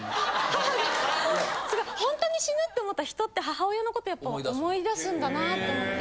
母がすごいほんとに死ぬって思ったら人って母親のことやっぱ思い出すんだなぁと思って。